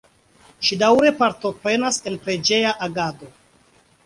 Ŝi daŭre partoprenas en preĝeja agado.